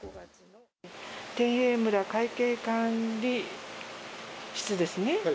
天栄村会計管理室ですね。